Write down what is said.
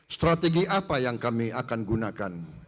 strategi apa yang kami akan gunakan